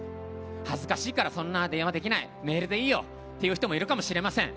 恥ずかしいからそんな電話できないメールでいいよという人もいるかもしれません。